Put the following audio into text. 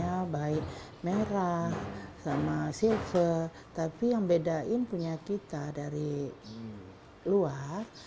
ya baik merah sama silver tapi yang bedain punya kita dari luar